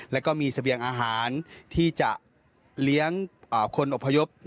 แล้วก็มีเสบียงอาหารที่จะเลี้ยงคนอบพยพ